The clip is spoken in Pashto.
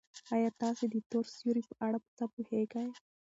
ایا تاسي د تور سوري په اړه څه پوهېږئ؟